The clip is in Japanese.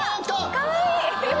かわいい。